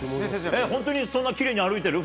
本当にそんなきれいに歩いてる？